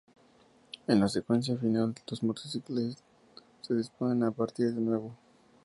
En la secuencia final las motocicletas se disponen a partir de nuevo.